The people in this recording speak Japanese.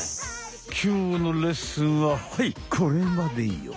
きょうのレッスンははいこれまでよ。